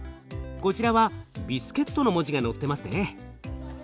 こちらはビスケットの文字がのってますね。